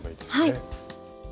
はい。